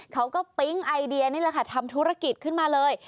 ปิ๊งไอเดียนี่แหละค่ะทำธุรกิจขึ้นมาเลย